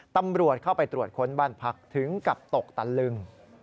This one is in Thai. ตำรวจเข้าไปตรวจค้นบ้านพักถึงกับตกตะลึง